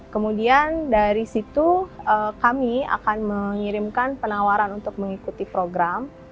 kemudian dari situ kami akan mengirimkan penawaran untuk mengikuti program